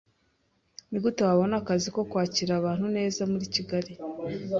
Ni gute wabona akazi ko kwakira abantu neza muri Kigali